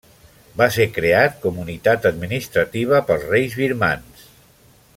Va ser creat com unitat administrativa pels reis birmans.